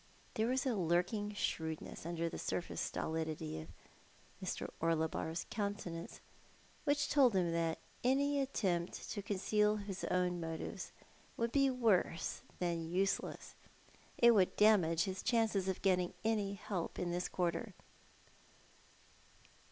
There was a lurking shrewdness under the surface stolidity of Mr. Orlebar's countenance which told him that any attempt to conceal his own motives would be worse than useless. It would damage his chances of getting any help in this quarter.